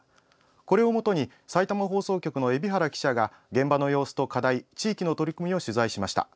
これをもとにさいたま放送局の海老原記者が現場の様子と課題地域の取り組みを取材しました。